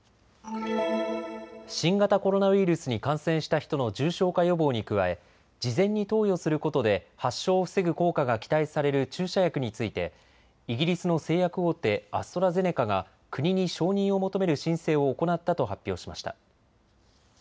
新型コロナウイルスに感染した人の重症化予防に加え事前に投与することで発症を防ぐ効果が期待される注射薬についてイギリスの製薬大手アストラゼネカが国に承認を求める申請を行ったと発表しました。